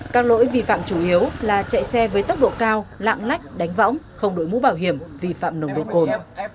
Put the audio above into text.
các lỗi vi phạm chủ yếu là chạy xe với tốc độ cao lạng lách đánh võng không đổi mũ bảo hiểm vi phạm nồng độ cồn